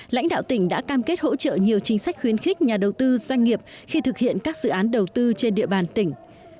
lãnh đạo tỉnh đã cam kết hỗ trợ nhiều chính sách khuyến khích nhà đầu tư doanh nghiệp khi thực hiện các dự án đầu tư trên địa bàn tỉnh